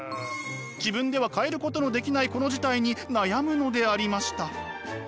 自分では変えることのできないこの事態に悩むのでありました。